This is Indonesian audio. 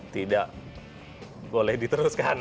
tidak boleh diteruskan